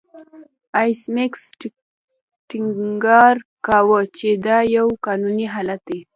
ایس میکس ټینګار کاوه چې دا یو قانوني حالت دی